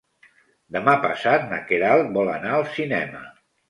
Demà passat na Queralt vol anar al cinema.